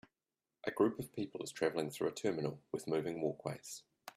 A group of people is traveling through a terminal with moving walkways.